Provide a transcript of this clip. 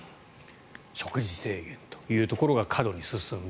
食事制限というところが過度に進んだ。